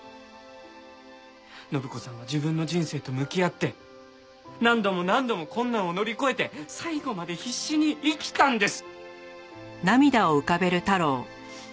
展子さんは自分の人生と向き合って何度も何度も困難を乗り越えて最後まで必死に生きたんです！